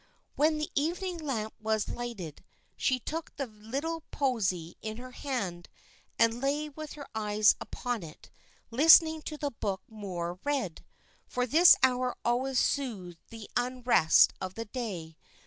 When the evening lamp was lighted, she took the little posy in her hand, and lay with her eyes upon it, listening to the book Moor read, for this hour always soothed the unrest of the day.